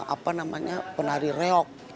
apa namanya penari reok